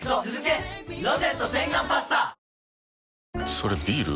それビール？